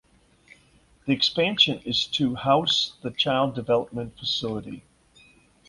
The expansion is to house the child development facility.